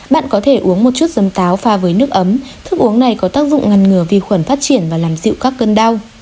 bạn có thể uống một chút giấm táo pha với nước ấm thức uống này có tác dụng ngăn ngừa vi khuẩn phát triển và làm dịu các cơn đau